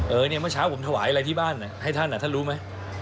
เออเนี่ยเมื่อเช้าผมถวายอะไรที่บ้านให้ท่านท่านรู้ไหม